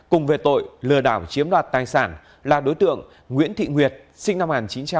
cùng về tội lừa đảo chiếm đoạt tài sản là đối tượng nguyễn thị nguyệt sinh năm một nghìn chín trăm tám mươi